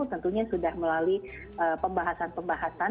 tentunya sudah melalui pembahasan pembahasan